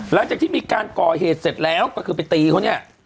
หลังจากที่มีการก่อเหตุเสร็จแล้วก็คือไปตีเขาเนี่ย